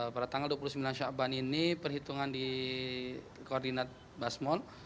pada tanggal dua puluh sembilan syakban ini perhitungan di koordinat basmol